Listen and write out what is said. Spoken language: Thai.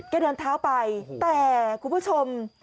เดินเท้าไปแต่คุณผู้ชม